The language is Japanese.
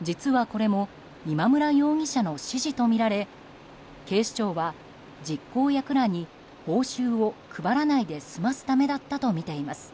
実はこれも今村容疑者の指示とみられ警視庁は、実行役らに報酬を配らないで済ますためだったとみています。